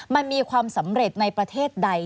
มันมีความสำเร็จในประเทศใด